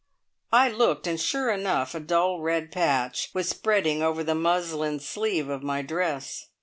I looked, and sure enough a dull red patch was spreading over the muslin sleeve of my dress.